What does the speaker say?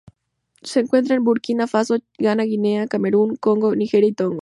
Se encuentra en Burkina Faso, Ghana, Guinea, Camerún, Congo, Nigeria y Togo.